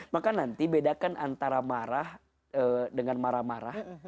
maka nanti bedakan antara marah dengan marah marah